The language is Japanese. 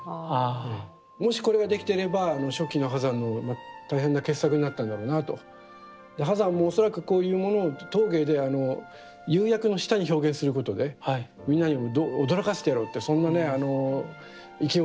もしこれができていれば初期の波山の大変な傑作になったんだろうなと。で波山も恐らくこういうものを陶芸で釉薬の下に表現することでみんなを驚かしてやろうってそんなね意気込みもあったと思いますけれども。